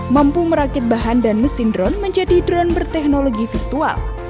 mampu merakit bahan dan mesin drone menjadi drone berteknologi virtual